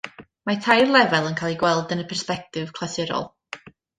Mae tair lefel yn cael eu gweld yn y persbectif clasurol.